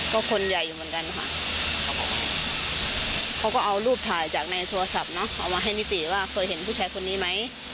ก็คนใหญ่อยู่เหมือนกันค่ะเขาบอกว่าเขาก็เอารูปถ่ายจากในโทรศัพท์เนอะเอามาให้นิติว่าเคยเห็นผู้ชายคนนี้ไหม